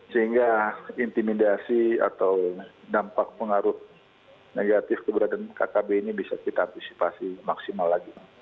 sehingga intimidasi atau dampak pengaruh negatif keberadaan kkb ini bisa kita antisipasi maksimal lagi